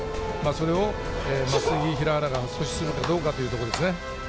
それを眞杉、平原が続くかどうかというところですね。